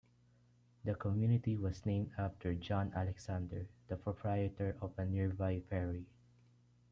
The community was named after John Alexander, the proprietor of a nearby ferry.